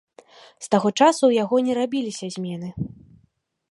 З таго часу ў яго не рабіліся змены.